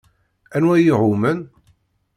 Anwa i iɛummen?